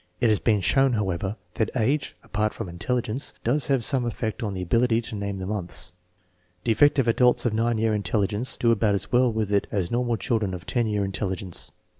It has been shown, however, that age, apart from intelligence, does have some effect on the ability to name the months. Defective adults of 9 year intelli gence do about as well with it as normal children of 10 year intelligence.